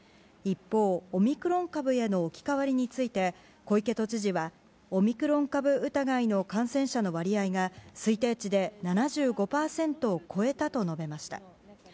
一方、オミクロン株への置き換わりについて小池都知事はオミクロン株疑いの感染者の割合が推定値で７５％を超えたと述べました。